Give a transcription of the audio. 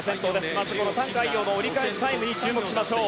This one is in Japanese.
まず、このタン・カイヨウの折り返しタイムに注目しましょう。